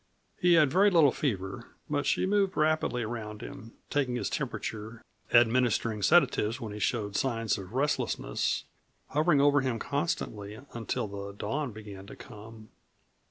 He had very little fever, but she moved rapidly around him, taking his temperature, administering sedatives when he showed signs of restlessness, hovering over him constantly until the dawn began to come.